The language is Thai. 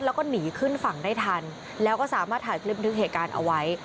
แล้วก็หนีขึ้นฝั่งได้ทันแล้วก็สามารถถ่ายคลิปนึกเหตุการณ์เอาไว้